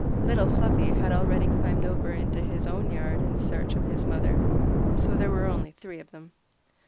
Little Fluffy had already climbed over into his own yard in search of his mother, so there were only the three of them.